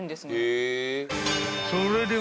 ［それでは］